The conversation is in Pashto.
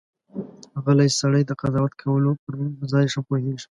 غلی سړی، د قضاوت کولو پر ځای پوهېږي.